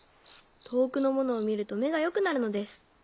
遠くのものを見ると目が良くなるのです。